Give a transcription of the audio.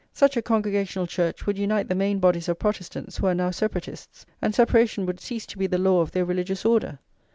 Such a Congregational Church would unite the main bodies of Protestants who are now separatists; and [xliv] separation would cease to be the law of their religious order.